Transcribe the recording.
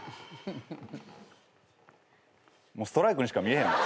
ストライクにしか見えへん。